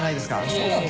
そうなの？